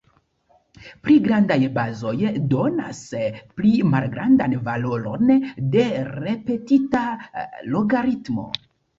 Pli grandaj bazoj donas pli malgrandan valoron de ripetita logaritmo.